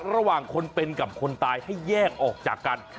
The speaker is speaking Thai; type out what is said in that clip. ระหว่างคนเป็นกับคนตายให้แยกออกจากกัน